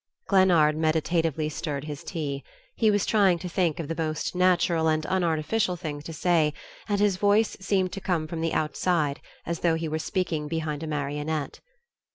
Glennard meditatively stirred his tea. He was trying to think of the most natural and unartificial thing to say, and his voice seemed to come from the outside, as though he were speaking behind a marionette.